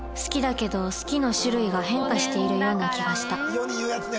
世に言うやつね